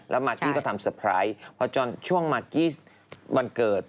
แล้วมากกี้ก็ทำเตอร์ไพรส์พอจนช่วงมากกี้วันเกิด